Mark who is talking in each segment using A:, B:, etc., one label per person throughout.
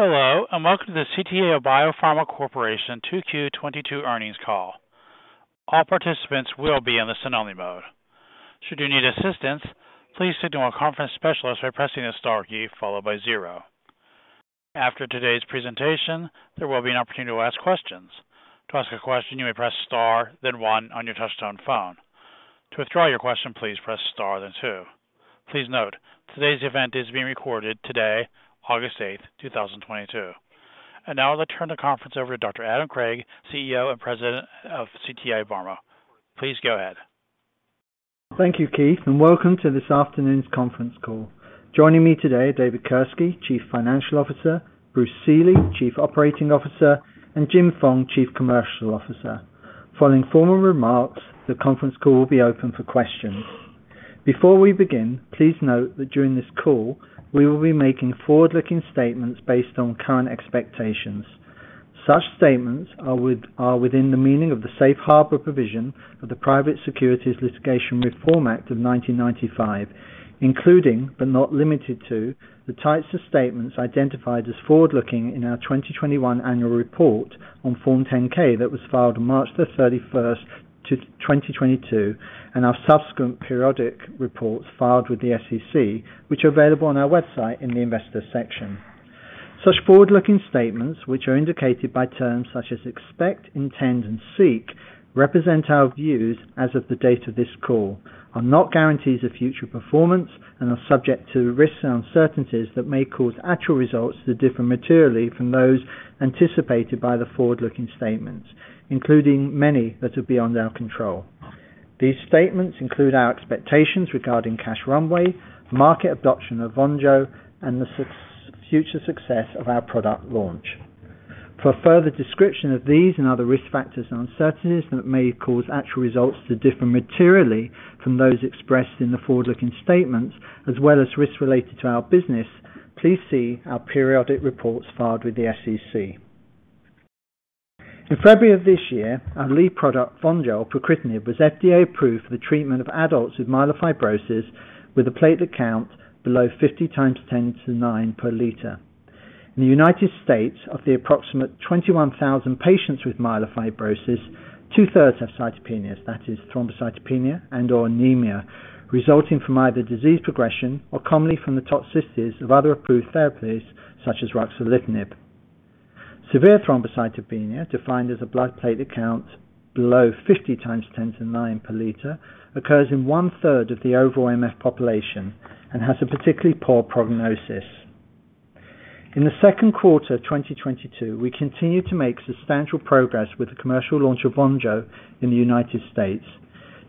A: Hello, and welcome to the CTI BioPharma Corporation 2Q 2022 Earnings Call. All participants will be in the listen-only mode. Should you need assistance, please signal a conference specialist by pressing the Star key followed by zero. After today's presentation, there will be an opportunity to ask questions. To ask a question, you may press Star then one on your touchtone phone. To withdraw your question, please press Star then two. Please note, today's event is being recorded today, August 8, 2022. Now I'll turn the conference over to Dr. Adam Craig, CEO and President of CTI BioPharma. Please go ahead.
B: Thank you, Keith, and welcome to this afternoon's conference call. Joining me today are David Kirske, Chief Financial Officer, Bruce Seeley, Chief Operating Officer, and Jim Fong, Chief Commercial Officer. Following formal remarks, the conference call will be open for questions. Before we begin, please note that during this call we will be making forward-looking statements based on current expectations. Such statements are within the meaning of the safe harbor provision of the Private Securities Litigation Reform Act of 1995, including but not limited to the types of statements identified as forward-looking in our 2021 annual report on Form 10-K that was filed March 31, 2022, and our subsequent periodic reports filed with the SEC, which are available on our website in the investor section. Such forward-looking statements, which are indicated by terms such as expect, intend, and seek, represent our views as of the date of this call, are not guarantees of future performance and are subject to risks and uncertainties that may cause actual results to differ materially from those anticipated by the forward-looking statements, including many that are beyond our control. These statements include our expectations regarding cash runway, market adoption of VONJO, and the future success of our product launch. For a further description of these and other risk factors and uncertainties that may cause actual results to differ materially from those expressed in the forward-looking statements as well as risks related to our business, please see our periodic reports filed with the SEC. In February of this year, our lead product, VONJO pacritinib, was FDA approved for the treatment of adults with myelofibrosis with a platelet count below 50 × 10^9 per liter. In the United States, of the approximately 21,000 patients with myelofibrosis, two-thirds have cytopenias. That is thrombocytopenia and/or anemia resulting from either disease progression or commonly from the toxicities of other approved therapies such as ruxolitinib. Severe thrombocytopenia, defined as a blood platelet count below 50 × 10^9 per liter, occurs in one-third of the overall MF population and has a particularly poor prognosis. In the Q2 of 2022, we continued to make substantial progress with the commercial launch of VONJO in the United States.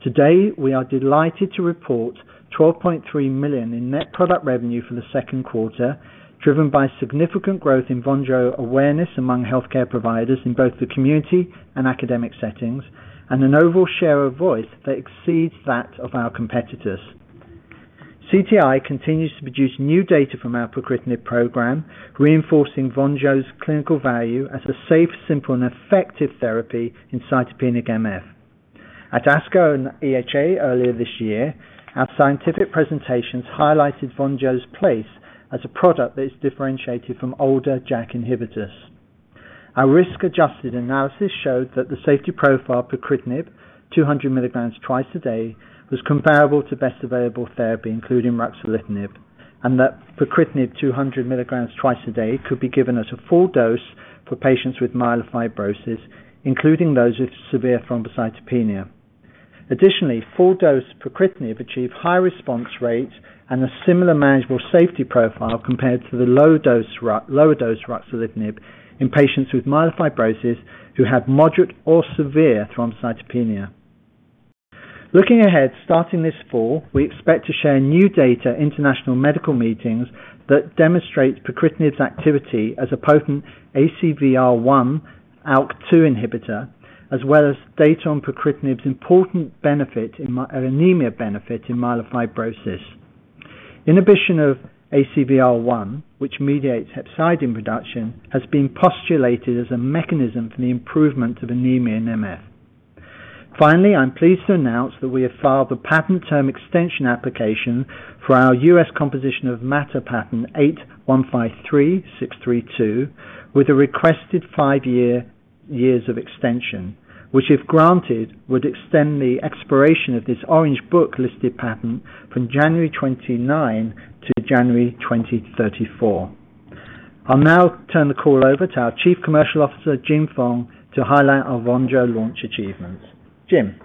B: Today, we are delighted to report $12.3 million in net product revenue for the Q2, driven by significant growth in VONJO awareness among healthcare providers in both the community and academic settings, and an overall share of voice that exceeds that of our competitors. CTI continues to produce new data from our pacritinib program, reinforcing VONJO's clinical value as a safe, simple, and effective therapy in cytopenic MF. At ASCO and EHA earlier this year, our scientific presentations highlighted VONJO's place as a product that is differentiated from older JAK inhibitors. Our risk-adjusted analysis showed that the safety profile pacritinib 200 milligrams twice a day was comparable to best available therapy, including ruxolitinib, and that pacritinib 200 milligrams twice a day could be given as a full dose for patients with myelofibrosis, including those with severe thrombocytopenia. Full dose pacritinib achieved high response rates and a similar manageable safety profile compared to the lower dose ruxolitinib in patients with myelofibrosis who have moderate or severe thrombocytopenia. Looking ahead, starting this fall, we expect to share new data at international medical meetings that demonstrate pacritinib's activity as a potent ACVR1/ALK2 inhibitor, as well as data on pacritinib's important anemia benefit in myelofibrosis. Inhibition of ACVR1, which mediates hepcidin production, has been postulated as a mechanism for the improvement of anemia in MF. Finally, I'm pleased to announce that we have filed the Patent Term Extension application for our US composition of matter patent 8,153,632 with a requested five years of extension, which, if granted, would extend the expiration of this Orange Book listed patent from January 2029 to January 2034. I'll now turn the call over to our Chief Commercial Officer, Jim Fong, to highlight our VONJO launch achievements. Jim.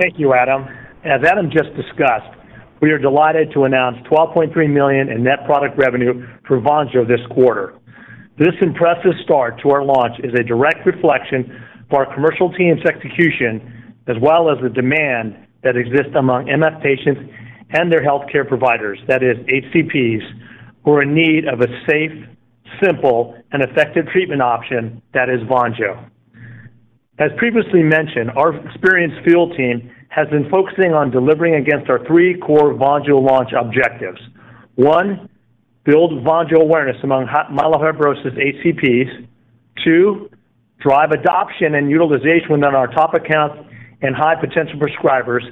C: Thank you, Adam. As Adam just discussed, we are delighted to announce $12.3 million in net product revenue for VONJO this quarter. This impressive start to our launch is a direct reflection of our commercial team's execution, as well as the demand that exists among MF patients and their healthcare providers, that is HCPs, who are in need of a safe, simple, and effective treatment option that is VONJO. As previously mentioned, our experienced field team has been focusing on delivering against our three core VONJO launch objectives. One, build VONJO awareness among myelofibrosis HCPs. Two, drive adoption and utilization within our top accounts and high potential prescribers.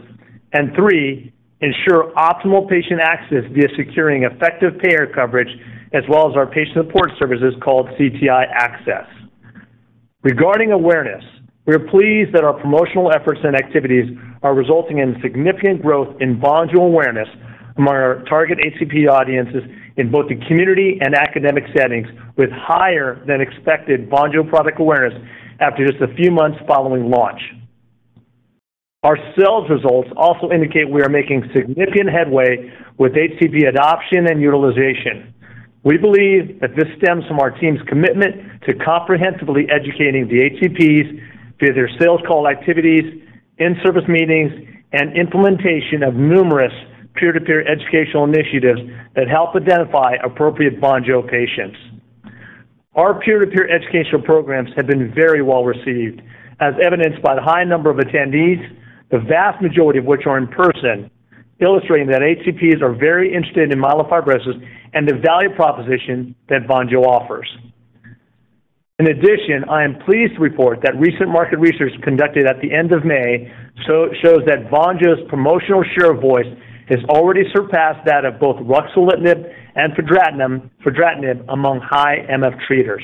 C: Three, ensure optimal patient access via securing effective payer coverage, as well as our patient support services called CTI Access. Regarding awareness, we are pleased that our promotional efforts and activities are resulting in significant growth in VONJO awareness among our target HCP audiences in both the community and academic settings, with higher than expected VONJO product awareness after just a few months following launch. Our sales results also indicate we are making significant headway with HCP adoption and utilization. We believe that this stems from our team's commitment to comprehensively educating the HCPs via their sales call activities, in-service meetings, and implementation of numerous peer-to-peer educational initiatives that help identify appropriate VONJO patients. Our peer-to-peer educational programs have been very well-received, as evidenced by the high number of attendees, the vast majority of which are in person, illustrating that HCPs are very interested in myelofibrosis and the value proposition that VONJO offers. In addition, I am pleased to report that recent market research conducted at the end of May shows that VONJO's promotional share of voice has already surpassed that of both ruxolitinib and fedratinib among high MF treaters.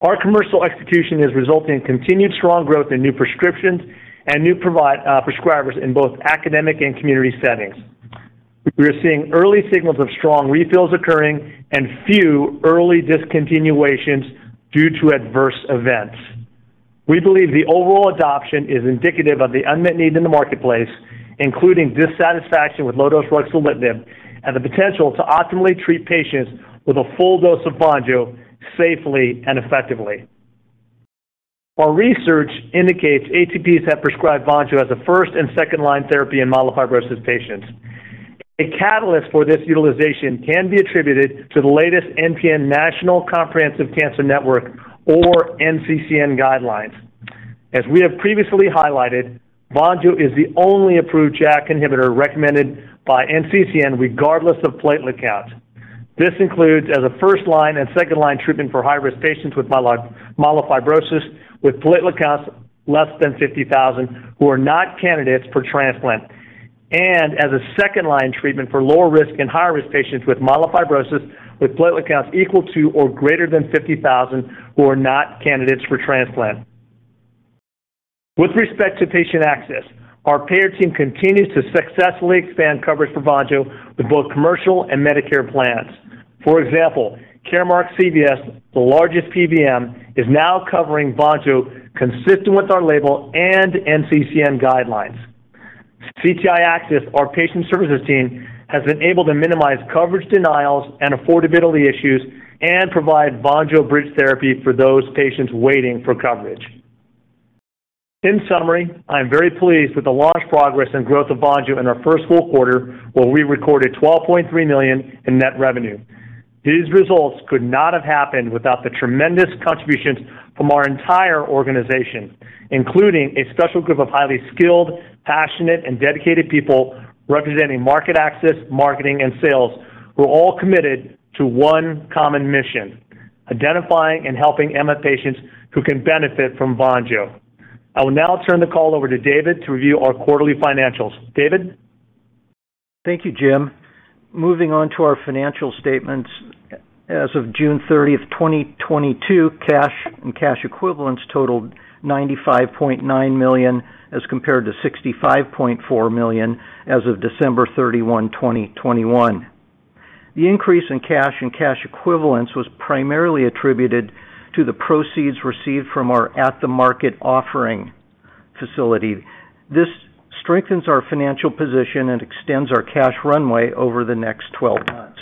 C: Our commercial execution is resulting in continued strong growth in new prescriptions and new prescribers in both academic and community settings. We are seeing early signals of strong refills occurring and few early discontinuations due to adverse events. We believe the overall adoption is indicative of the unmet need in the marketplace, including dissatisfaction with low dose ruxolitinib and the potential to optimally treat patients with a full dose of VONJO safely and effectively. Our research indicates HCPs have prescribed VONJO as a first and second-line therapy in myelofibrosis patients. A catalyst for this utilization can be attributed to the latest NCCN National Comprehensive Cancer Network or NCCN guidelines. As we have previously highlighted, VONJO is the only approved JAK inhibitor recommended by NCCN regardless of platelet count. This includes as a first-line and second-line treatment for high-risk patients with myelofibrosis with platelet counts less than 50,000 who are not candidates for transplant. As a second-line treatment for lower-risk and high-risk patients with myelofibrosis with platelet counts equal to or greater than 50,000 who are not candidates for transplant. With respect to patient access, our payer team continues to successfully expand coverage for VONJO with both commercial and Medicare plans. For example, CVS Caremark, the largest PBM, is now covering VONJO consistent with our label and NCCN guidelines. CTI Access, our patient services team, has been able to minimize coverage denials and affordability issues and provide VONJO bridge therapy for those patients waiting for coverage. In summary, I am very pleased with the launch progress and growth of VONJO in our first full quarter, where we recorded $12.3 million in net revenue. These results could not have happened without the tremendous contributions from our entire organization, including a special group of highly skilled, passionate, and dedicated people representing market access, marketing, and sales, who are all committed to one common mission, identifying and helping MF patients who can benefit from VONJO. I will now turn the call over to David to review our quarterly financials. David?
D: Thank you, Jim. Moving on to our financial statements. As of June 30, 2022, cash and cash equivalents totaled $95.9 million, as compared to $65.4 million as of December 31, 2021. The increase in cash and cash equivalents was primarily attributed to the proceeds received from our at-the-market offering facility. This strengthens our financial position and extends our cash runway over the next twelve months.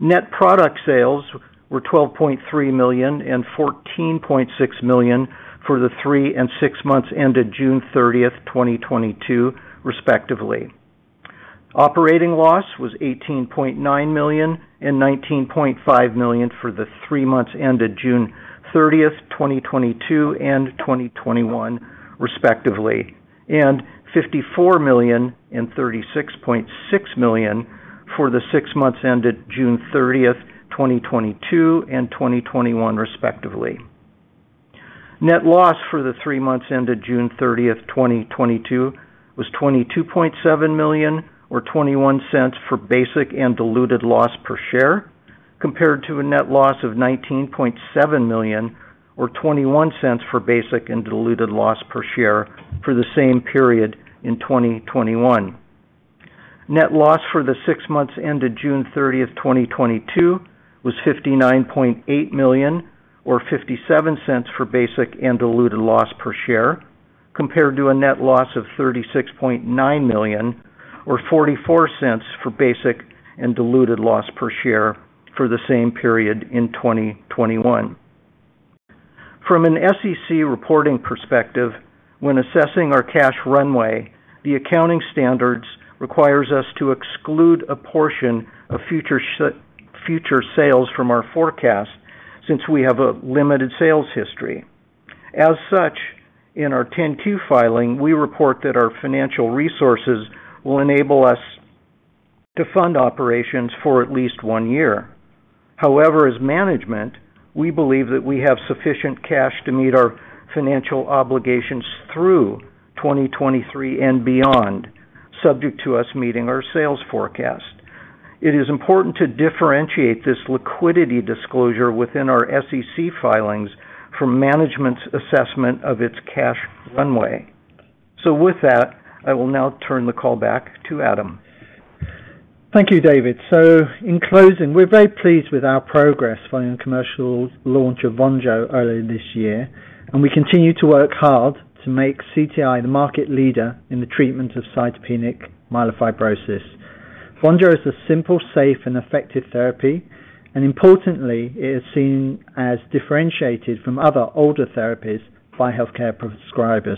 D: Net product sales were $12.3 million and $14.6 million for the three and six months ended June 30th 2022, respectively. Operating loss was $18.9 million and $19.5 million for the three months ended June 30th 2022 and 2021, respectively, and $54 million and $36.6 million for the six months ended June 30th 2022 and 2021, respectively. Net loss for the three months ended June 30th 2022 was $22.7 million or $0.21 for basic and diluted loss per share, compared to a net loss of $19.7 million or $0.21 for basic and diluted loss per share for the same period in 2021. Net loss for the six months ended June 30, 2022 was $59.8 million or $0.57 for basic and diluted loss per share, compared to a net loss of $36.9 million or $0.44 for basic and diluted loss per share for the same period in 2021. From an SEC reporting perspective, when assessing our cash runway, the accounting standards requires us to exclude a portion of future sales from our forecast since we have a limited sales history. As such, in our 10-Q filing, we report that our financial resources will enable us To fund operations for at least one year. However, as management, we believe that we have sufficient cash to meet our financial obligations through 2023 and beyond, subject to us meeting our sales forecast. It is important to differentiate this liquidity disclosure within our SEC filings from management's assessment of its cash runway. With that, I will now turn the call back to Adam.
B: Thank you, David. In closing, we're very pleased with our progress following the commercial launch of VONJO earlier this year, and we continue to work hard to make CTI the market leader in the treatment of cytopenic myelofibrosis. VONJO is a simple, safe, and effective therapy, and importantly, it is seen as differentiated from other older therapies by healthcare prescribers.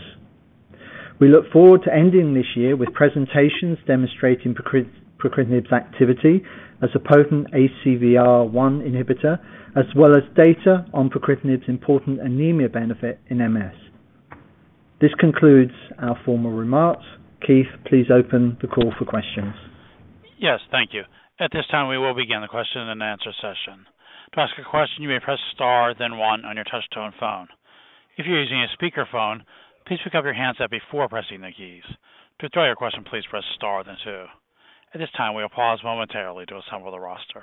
B: We look forward to ending this year with presentations demonstrating pacritinib's activity as a potent ACVR1 inhibitor, as well as data on pacritinib's important anemia benefit in MF. This concludes our formal remarks. Keith, please open the call for questions.
A: Yes, thank you. At this time, we will begin the Q&A session. To ask a question, you may press Star, then one on your touchtone phone. If you're using a speakerphone, please pick up your handset before pressing the keys. To withdraw your question, please press Star then two. At this time, we'll pause momentarily to assemble the roster.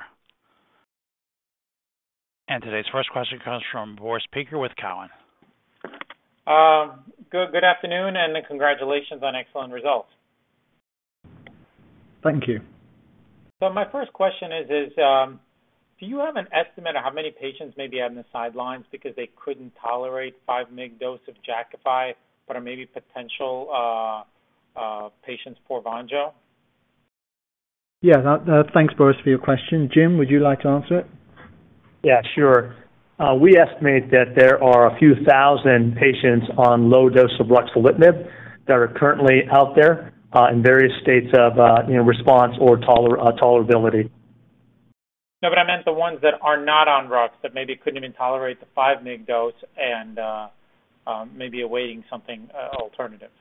A: Today's first question comes from Boris Peaker with Cowen.
E: Good afternoon, congratulations on excellent results.
B: Thank you.
E: My first question is, do you have an estimate of how many patients may be on the sidelines because they couldn't tolerate 5 mg dose of Jakafi, but are maybe potential patients for VONJO?
B: Yeah, thanks, Boris, for your question. Jim, would you like to answer it?
C: Yeah, sure. We estimate that there are a few thousand patients on low dose of ruxolitinib that are currently out there in various states of, you know, response or tolerability.
E: No, but I meant the ones that are not on rux, that maybe couldn't even tolerate the 5 mg dose and maybe awaiting something alternative.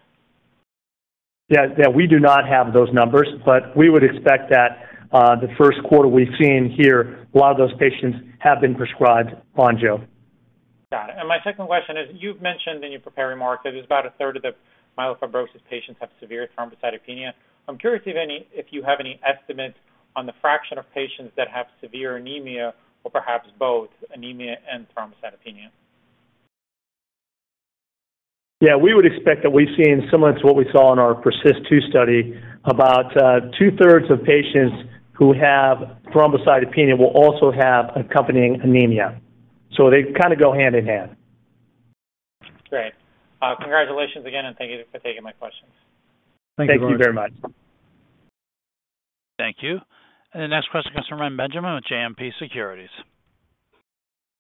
C: Yeah, yeah. We do not have those numbers, but we would expect that, the Q1 we've seen here, a lot of those patients have been prescribed VONJO.
E: Got it. My second question is, you've mentioned in your prepared remarks that there's about a third of the myelofibrosis patients have severe thrombocytopenia. I'm curious if you have any estimates on the fraction of patients that have severe anemia or perhaps both anemia and thrombocytopenia.
C: Yeah, we would expect that we've seen similar to what we saw in our PERSIST-2 study, about two-thirds of patients who have thrombocytopenia will also have accompanying anemia. They kind of go hand in hand.
E: Great. Congratulations again, and thank you for taking my questions.
C: Thank you very much.
B: Thank you very much.
A: Thank you. The next question comes from Reni Benjamin with JMP Securities.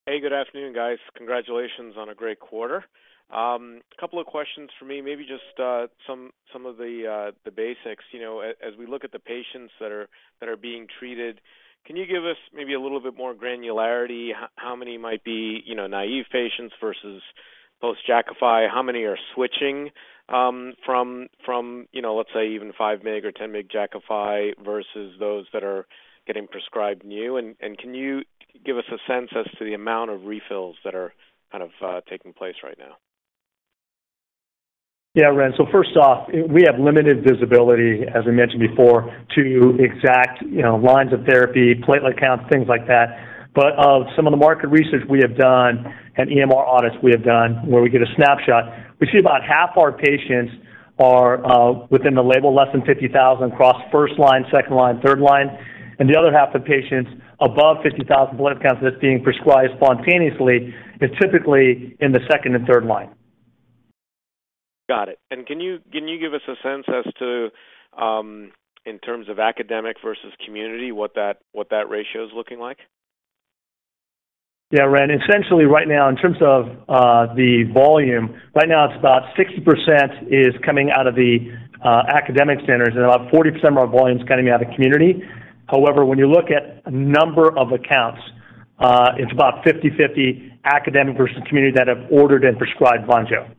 F: Hey, good afternoon, guys. Congratulations on a great quarter. Couple of questions for me, maybe just some of the basics. You know, as we look at the patients that are being treated, can you give us maybe a little bit more granularity, how many might be, you know, naive patients versus post-Jakafi? How many are switching from, you know, let's say, even 5 mg or 10 mg Jakafi versus those that are getting prescribed new? And can you give us a sense as to the amount of refills that are kind of taking place right now?
C: Yeah, Ren. First off, we have limited visibility, as I mentioned before, to exact, you know, lines of therapy, platelet counts, things like that. Some of the market research we have done and EMR audits we have done where we get a snapshot, we see about half our patients are within the label less than 50,000 across first-line, second-line, third-line, and the other half of patients above 50,000 platelet counts that's being prescribed spontaneously is typically in the second and third-line.
F: Got it. Can you give us a sense as to, in terms of academic versus community, what that ratio is looking like?
C: Yeah, Ren. Essentially right now, in terms of the volume, right now it's about 60% is coming out of the academic centers and about 40% of our volume is coming out of community. However, when you look at number of accounts, it's about 50/50 academic versus community that have ordered and prescribed VONJO.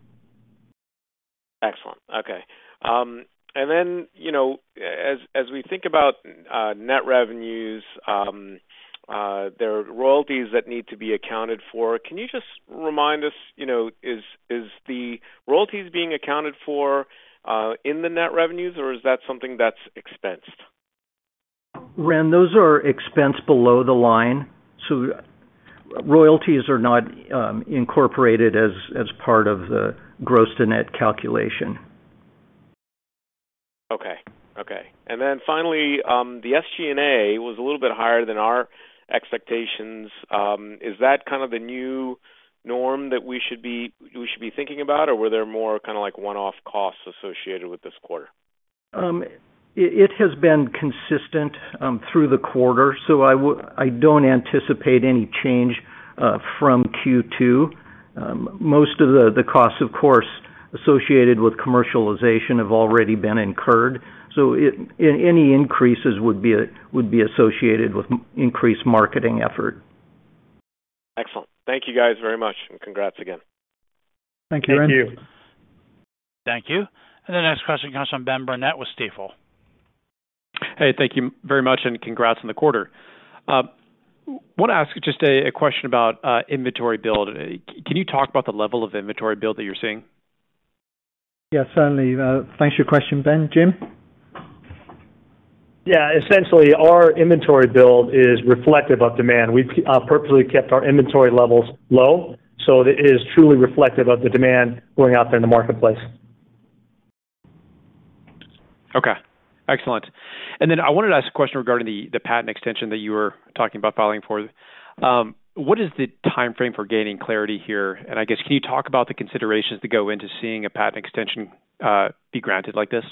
F: Excellent. Okay. You know, as we think about net revenues, there are royalties that need to be accounted for. Can you just remind us, you know, is the royalties being accounted for in the net revenues, or is that something that's expensed?
C: Ren, those are expensed below the line, so royalties are not incorporated as part of the gross to net calculation.
F: Okay. Finally, the SG&A was a little bit higher than our expectations. Is that kind of the new norm that we should be thinking about, or were there more kind of like one-off costs associated with this quarter?
C: It has been consistent through the quarter, so I don't anticipate any change from Q2. Most of the costs, of course, associated with commercialization have already been incurred, so any increases would be associated with increased marketing effort.
F: Thank you guys very much, and congrats again.
B: Thank you.
A: Thank you. The next question comes from Ben Burnett with Stifel.
G: Hey, thank you very much, and congrats on the quarter. Want to ask just a question about inventory build. Can you talk about the level of inventory build that you're seeing?
B: Yeah, certainly. Thanks for your question, Ben. Jim?
C: Yeah. Essentially, our inventory build is reflective of demand. We purposely kept our inventory levels low, so it is truly reflective of the demand going out there in the marketplace.
G: Okay. Excellent. Then I wanted to ask a question regarding the patent extension that you were talking about filing for. What is the timeframe for gaining clarity here? I guess, can you talk about the considerations that go into seeing a patent extension be granted like this?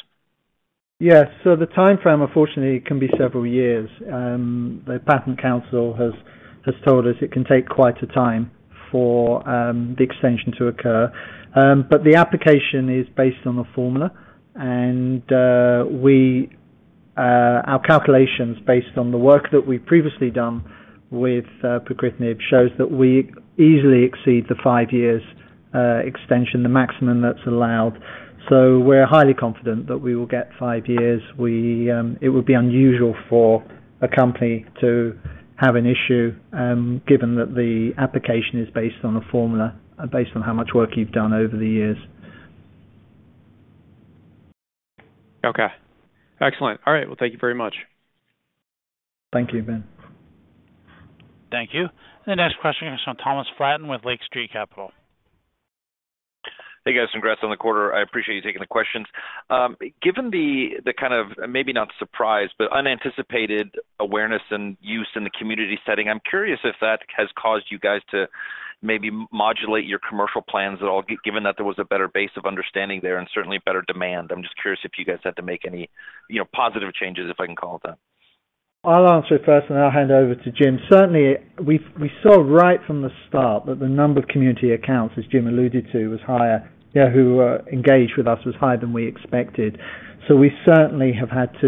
B: Yeah. The timeframe, unfortunately, can be several years. The patent counsel has told us it can take quite a time for the extension to occur. But the application is based on the formulation, and our calculations based on the work that we've previously done with pacritinib shows that we easily exceed the five years extension, the maximum that's allowed. We're highly confident that we will get five years. It would be unusual for a company to have an issue, given that the application is based on a formulation, based on how much work you've done over the years.
G: Okay. Excellent. All right. Well, thank you very much.
B: Thank you, Ben.
A: Thank you. The next question comes from Thomas Flaten with Lake Street Capital.
H: Hey, guys. Congrats on the quarter. I appreciate you taking the questions. Given the kind of, maybe not surprise, but unanticipated awareness and use in the community setting, I'm curious if that has caused you guys to maybe modulate your commercial plans at all, given that there was a better base of understanding there and certainly better demand. I'm just curious if you guys had to make any, you know, positive changes, if I can call it that?
B: I'll answer it first, and then I'll hand over to Jim. Certainly, we saw right from the start that the number of community accounts, as Jim alluded to, was higher. Yeah, who engaged with us was higher than we expected. We certainly have had to,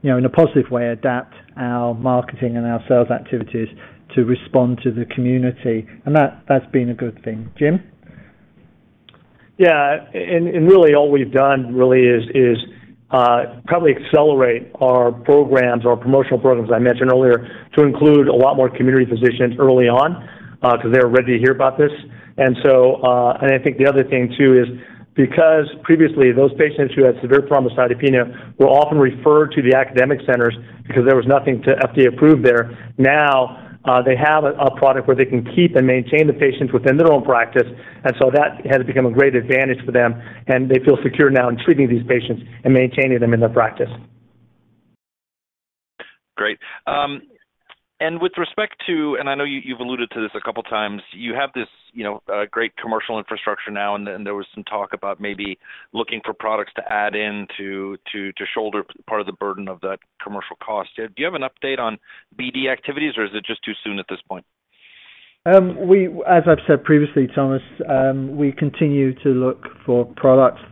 B: you know, in a positive way, adapt our marketing and our sales activities to respond to the community. That, that's been a good thing. Jim.
C: Yeah. Really all we've done is probably accelerate our programs, our promotional programs, as I mentioned earlier, to include a lot more community physicians early on, 'cause they're ready to hear about this. I think the other thing, too, is because previously, those patients who had severe thrombocytopenia were often referred to the academic centers because there was nothing FDA approved there. Now, they have a product where they can keep and maintain the patients within their own practice. That has become a great advantage for them, and they feel secure now in treating these patients and maintaining them in their practice.
H: Great. With respect to, I know you've alluded to this a couple times. You have this, you know, great commercial infrastructure now. Then there was some talk about maybe looking for products to add in to shoulder part of the burden of that commercial cost. Do you have an update on BD activities, or is it just too soon at this point?
B: As I've said previously, Thomas, we continue to look for products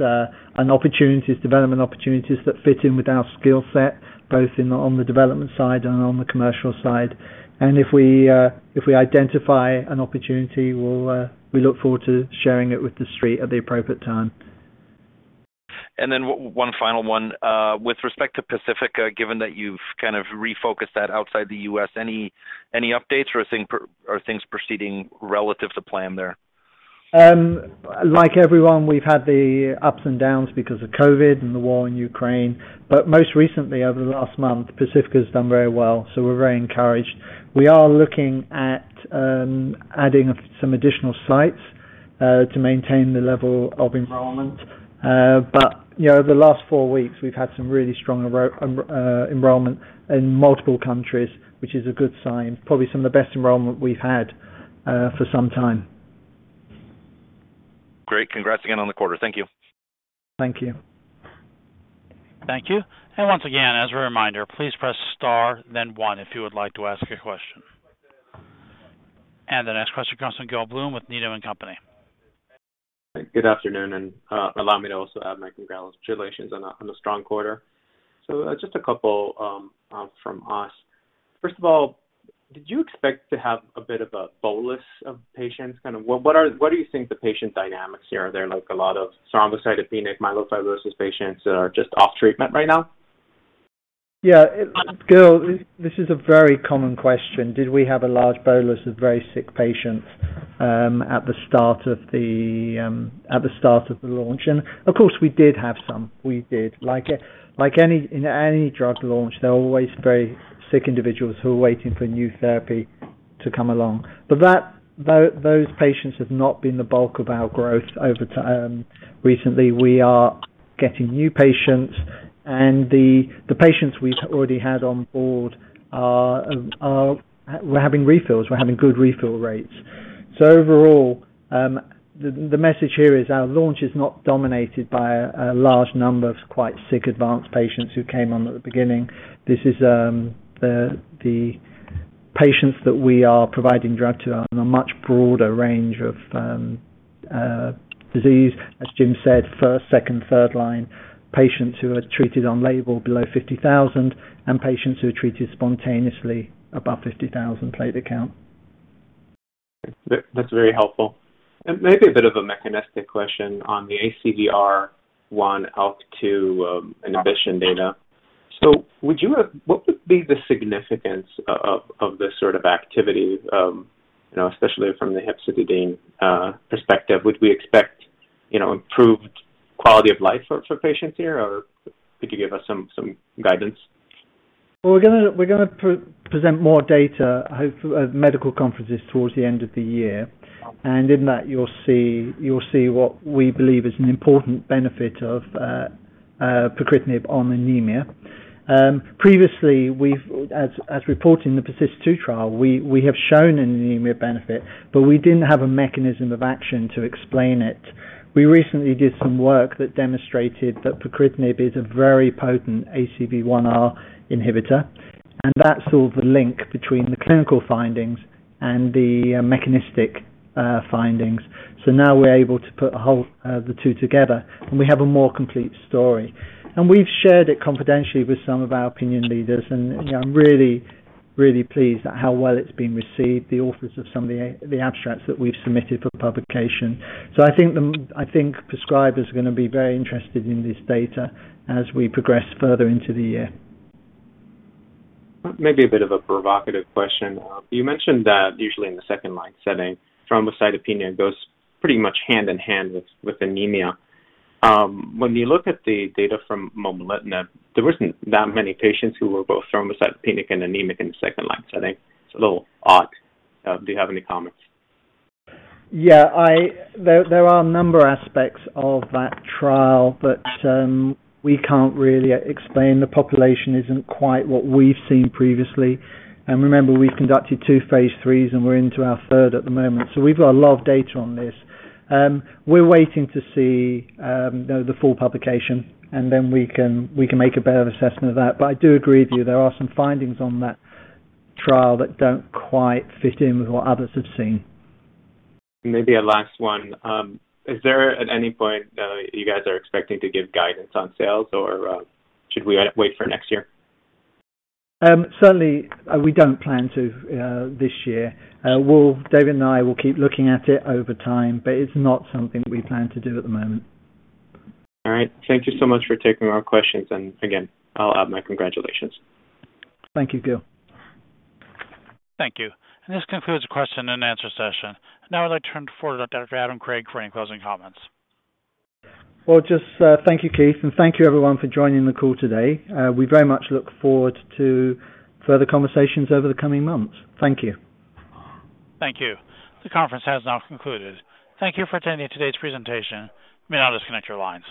B: and opportunities, development opportunities that fit in with our skill set, both on the development side and on the commercial side. If we identify an opportunity, we'll look forward to sharing it with the street at the appropriate time.
H: One final one. With respect to PACIFICA, given that you've kind of refocused that outside the U.S., any updates or are things proceeding relative to plan there?
B: Like everyone, we've had the ups and downs because of COVID and the war in Ukraine. Most recently, over the last month, PACIFICA has done very well, so we're very encouraged. We are looking at adding up some additional sites to maintain the level of enrollment. You know, the last four weeks, we've had some really strong enrollment in multiple countries, which is a good sign, probably some of the best enrollment we've had for some time.
H: Great. Congrats again on the quarter. Thank you.
B: Thank you.
A: Thank you. Once again, as a reminder, please press Star then one if you would like to ask a question. The next question comes from Gil Blum with Needham & Company.
I: Good afternoon, allow me to also add my congratulations on a strong quarter. Just a couple from us. First of all, did you expect to have a bit of a bolus of patients? What do you think the patient dynamics here? Are there like a lot of thrombocytopenic myelofibrosis patients that are just off treatment right now?
B: Yeah. Gil, this is a very common question. Did we have a large bolus of very sick patients at the start of the launch? Of course, we did have some. We did. Like in any drug launch, there are always very sick individuals who are waiting for new therapy to come along. Those patients have not been the bulk of our growth over time. Recently, we are getting new patients, and the patients we've already had on board. We're having refills. We're having good refill rates. Overall, the message here is our launch is not dominated by a large number of quite sick advanced patients who came on at the beginning. This is the patients that we are providing drug to are on a much broader range of disease, as Jim said, first, second, third-line, patients who are treated on label below 50,000, and patients who are treated off-label above 50,000 platelet count.
I: That's very helpful. Maybe a bit of a mechanistic question on the ACVR1 ALK2 inhibition data. What would be the significance of this sort of activity, you know, especially from the hepcidin perspective? Would we expect, you know, improved quality of life for patients here, or could you give us some guidance?
B: Well, we're going to present more data at medical conferences towards the end of the year. In that, you'll see what we believe is an important benefit of pacritinib on anemia. Previously, as reported in the PERSIST-2 trial, we have shown an anemia benefit, but we didn't have a mechanism of action to explain it. We recently did some work that demonstrated that pacritinib is a very potent ACVR1 inhibitor, and that's the link between the clinical findings and the mechanistic findings. Now we're able to put the two together, and we have a more complete story. We've shared it confidentially with some of our opinion leaders, and I'm really pleased at how well it's been received, the authors of some of the abstracts that we've submitted for publication. I think prescribers are going to be very interested in this data as we progress further into the year.
I: Maybe a bit of a provocative question. You mentioned that usually in the second-line setting, thrombocytopenia goes pretty much hand in hand with anemia. When you look at the data from momelotinib, there wasn't that many patients who were both thrombocytopenic and anemic in the second-line setting. It's a little odd. Do you have any comments?
B: Yeah, there are a number of aspects of that trial that we can't really explain. The population isn't quite what we've seen previously. Remember, we've conducted two phase threes, and we're into our third at the moment, so we've got a lot of data on this. We're waiting to see the full publication, and then we can make a better assessment of that. I do agree with you, there are some findings on that trial that don't quite fit in with what others have seen.
I: Maybe a last one. Is there at any point that you guys are expecting to give guidance on sales or should we wait for next year?
B: Certainly we don't plan to this year. David and I will keep looking at it over time, but it's not something we plan to do at the moment.
I: All right. Thank you so much for taking our questions. Again, I'll add my congratulations.
B: Thank you, Gil.
A: Thank you. This concludes the Q&A session. Now I'd like to turn it forward to Dr. Adam Craig for any closing comments.
B: Well, just, thank you, Keith, and thank you everyone for joining the call today. We very much look forward to further conversations over the coming months. Thank you.
A: Thank you. The conference has now concluded. Thank you for attending today's presentation. You may now disconnect your lines.